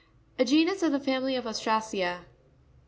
A genus of the family of Ostracea.